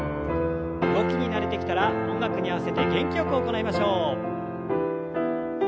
動きに慣れてきたら音楽に合わせて元気よく行いましょう。